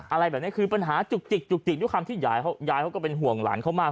อะไรแบบนี้คือปัญหาจุกจิกจุกจิกด้วยความที่ยายเขาก็เป็นห่วงหลานเขามาก